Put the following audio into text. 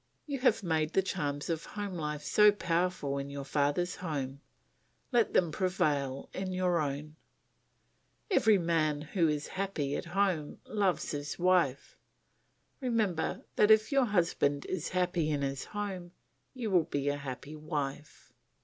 You have made the charms of home life so powerful in your father's home, let them prevail in your own. Every man who is happy at home loves his wife. Remember that if your husband is happy in his home, you will be a happy wife.